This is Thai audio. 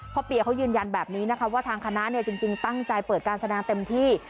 เปียเขายืนยันแบบนี้นะคะว่าทางคณะจริงตั้งใจเปิดการแสดงเต็มที่